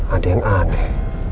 ada yang aneh